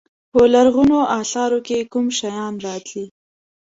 په لرغونو اثارو کې کوم شیان راځي.